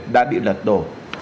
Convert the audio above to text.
đã bị lật đổ